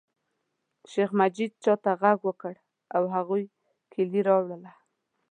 شیخ مجید چاته غږ وکړ او هغوی کیلي راوړله.